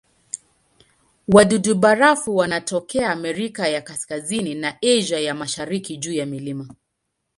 Wadudu-barafu wanatokea Amerika ya Kaskazini na Asia ya Mashariki juu ya milima.